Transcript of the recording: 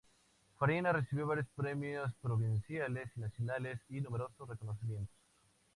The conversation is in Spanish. Farina recibió varios premios provinciales y nacionales y numerosos reconocimientos.